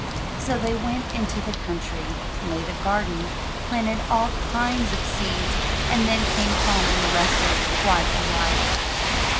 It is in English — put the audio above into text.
So they went into the country, made a garden, planted all kinds of seeds, and then came home and rested quite a while.